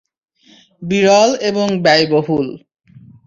বিরল এবং ব্যয়বহুল।